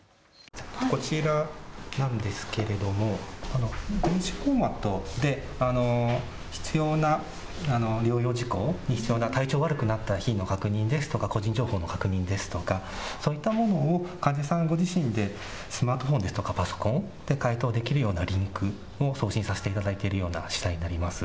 こちらなんですけれども電子フォーマットで必要な療養事項、体調が悪くなった日の確認、個人情報の確認ですとかそういったものを患者さんご自身でスマートフォンですとかパソコンで回答できるようなリンクを送信させていただいているようなしだいになります。